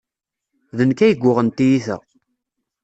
D nekk ay yuɣen tiyita.